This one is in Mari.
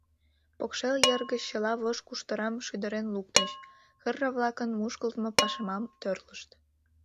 Покшел ер гыч чыла вож-куштырам шӱдырен луктыч, хӓрра-влакын мушкылтмо пашмам тӧрлышт.